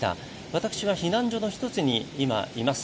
私は避難所の１つに今います。